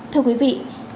thưa quý vị